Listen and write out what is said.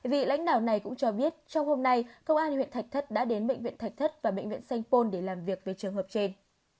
vị lãnh đạo này cũng cho biết trong hôm nay công an huyện thạch thất đã đến bệnh viện thạch thất và bệnh viện sanh pôn để làm việc về trường hợp trên